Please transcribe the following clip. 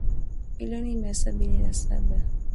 milioni mia sabini na saba